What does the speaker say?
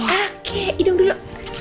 oke idung dulu